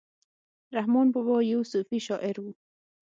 رحمان بابا يو صوفي شاعر وو.